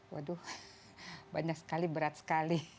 waduh banyak sekali berat sekali